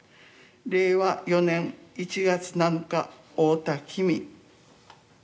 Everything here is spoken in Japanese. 令和４年１月７日太田紀美。